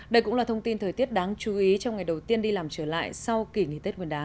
đây cũng là thông tin thời tiết đáng chú ý trong ngày đầu tiên đi làm trở lại sau kỳ nghỉ tết nguyên đán